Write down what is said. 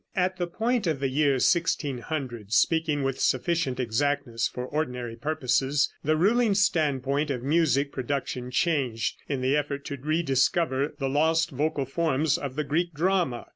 At the point of the year 1600, speaking with sufficient exactness for ordinary purposes, the ruling standpoint of musical production changed, in the effort to rediscover the lost vocal forms of the Greek drama.